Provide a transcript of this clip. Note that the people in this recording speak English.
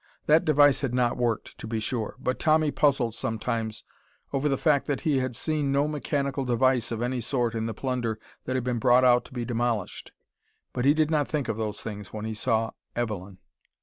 That device had not worked, to be sure, but Tommy puzzled sometimes over the fact that he had seen no mechanical device of any sort in the plunder that had been brought out to be demolished. But he did not think of those things when he saw Evelyn.